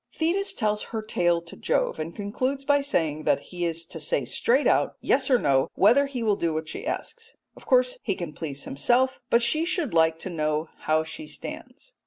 Thetis tells her tale to Jove, and concludes by saying that he is to say straight out 'yes' or 'no' whether he will do what she asks. Of course he can please himself, but she should like to know how she stands.